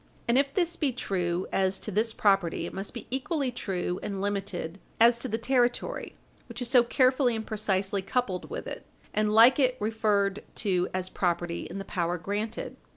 And if this be true as to this property, it must be equally true and limited as to the territory, which is so carefully and precisely coupled with it and like it referred to as property in the power granted.